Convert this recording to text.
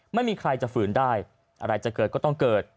ไม่มีใครจะฝืนได้อะไรจะเกิดก็ต้องเกิด